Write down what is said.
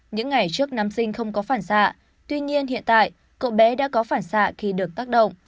những ngày trước năm sinh không có phản xạ tuy nhiên hiện tại cậu bé đã có phản xạ khi được tác động